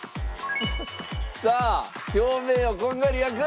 さあ表面をこんがり焼く。